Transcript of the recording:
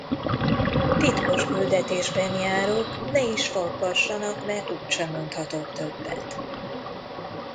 Titkos küldetésben járok, ne is faggassanak, mert úgyse mondhatok többet.